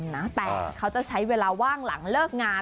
งานประจำนะแต่เขาจะใช้เวลาว่างหลังเลิกงาน